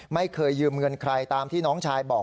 ไม่เคยยืมเงินใครตามที่น้องชายบอก